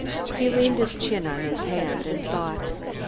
He leaned his chin on his hand and thought.